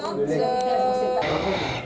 pertambangan nikel di kalidonia baru